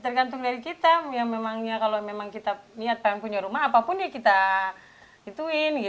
yang penting kita punya rumah lah gitu